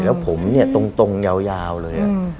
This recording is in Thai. แล้วผมเนี่ยตรงยาวเลย